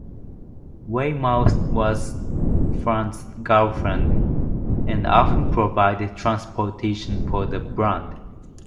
Weymouth was Frantz's girlfriend and often provided transportation for the band.